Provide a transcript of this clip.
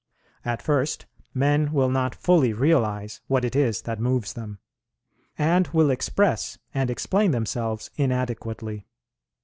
At first men will not fully realize what it is that moves them, and will express and explain themselves inadequately.